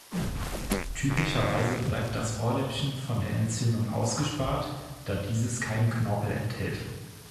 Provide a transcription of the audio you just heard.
Typischerweise bleibt das Ohrläppchen von der Entzündung ausgespart, da dieses keinen Knorpel enthält.